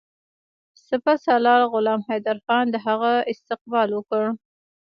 سپه سالار غلام حیدرخان د هغه استقبال وکړ.